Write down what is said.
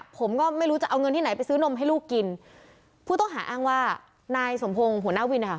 ผมก็ไม่รู้จะเอาเงินที่ไหนไปซื้อนมให้ลูกกินผู้ต้องหาอ้างว่านายสมพงศ์หัวหน้าวินนะคะ